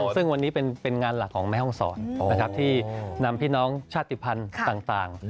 ซึ่งวันนี้เป็นงานหลักของแม่ห้องศรที่นำพี่น้องชาติภัณฑ์ต่าง